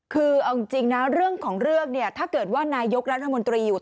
คือเอาจริงนะเรื่องของเรื่องเนี่ยถ้าเกิดว่านายกรัฐมนตรีอยู่